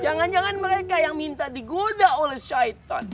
jangan jangan mereka yang minta digoda oleh syaitan